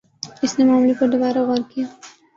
اس نے معاملے پر دوبارہ غور کِیا